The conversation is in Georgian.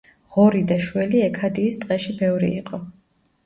ღორი და შველი ექადიის ტყეში ბევრი იყო.